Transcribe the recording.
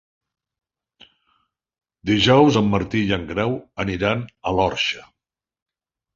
Dijous en Martí i en Grau aniran a l'Orxa.